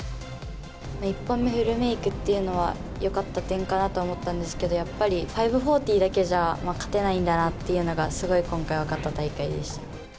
１本目フルメイクっていうのはよかった点かなとは思ったんですけど、やっぱり５４０だけじゃ勝てないんだなっていうのがすごい今回、分かった大会でした。